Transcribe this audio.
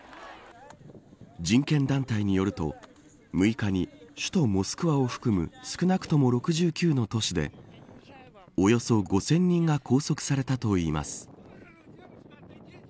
人権団体によると６日に首都モスクワを含む少なくとも６９の都市でおよそ５０００人が拘束されたといいます。